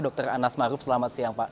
dr anas maruf selamat siang pak